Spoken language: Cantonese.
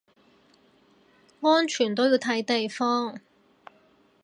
安全都要睇地方